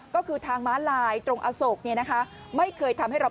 ก็คือทางม้าลายตรงอโศกเนี่ยนะคะไม่เคยทำให้เรา